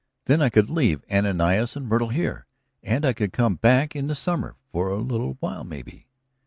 Then I could leave Ananias and Myrtle here, and I could come back in the summer for a little while, maybe."